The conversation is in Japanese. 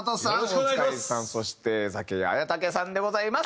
大塚愛さんそして江文武さんでございます。